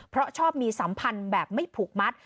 เพราะชอบมีสัมพันธ์แบบไม่ผูกมัด